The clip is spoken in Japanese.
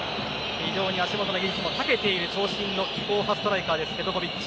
非常に足元の技術も長けている長身の技巧派ストライカーペトコヴィッチ。